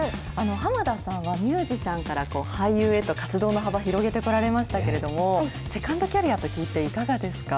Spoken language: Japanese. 濱田さんはミュージシャンから俳優へと活動の幅広げてこられましたけれども、セカンドキャリアって聞いて、いかがですか。